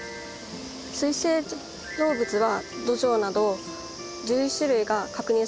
水生動物はドジョウなど１１種類が確認されております。